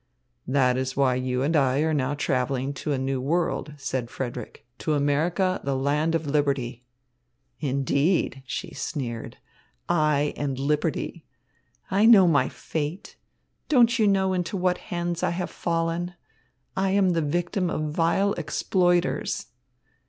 "That is why you and I are now travelling to a new world," said Frederick, "to America, the land of liberty." "Indeed!" she sneered, "I and liberty! I know my fate. Don't you know into what hands I have fallen? I am the victim of vile exploiters!"